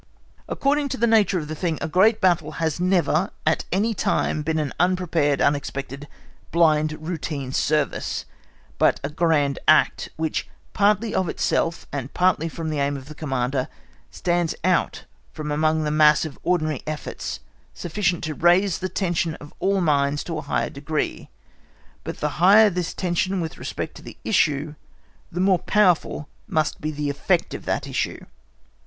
According to the nature of the thing, a great battle has never at any time been an unprepared, unexpected, blind routine service, but a grand act, which, partly of itself and partly from the aim of the Commander, stands out from amongst the mass of ordinary efforts, sufficiently to raise the tension of all minds to a higher degree. But the higher this tension with respect to the issue, the more powerful must be the effect of that issue.